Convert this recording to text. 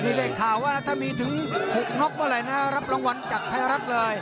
นี่ได้ข่าวว่าถ้ามีถึง๖น็อกเมื่อไหร่นะรับรางวัลจากไทยรัฐเลย